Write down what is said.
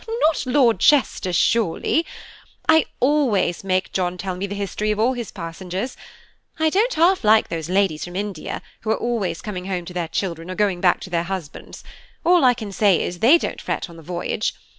"Not Lord Chester surely! I always make John tell me the history of all his passengers. I don't half like those ladies from India, who are always coming home to their children, or going back to their husbands; all I can say is, they don't fret on the voyage.